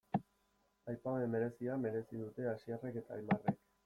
Aipamen berezia merezi dute Asierrek eta Aimarrek.